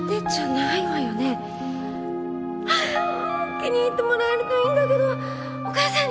気に入ってもらえるといいんだけどお母さんに。